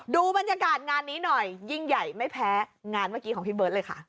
ดูบรรยากาศงานนี้หน่อยยิ่งใหญ่ไม่แพ้งานเมื่อกี้ของพี่เบิร์ตเลยค่ะ